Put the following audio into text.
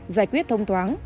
giải quyết thông thoáng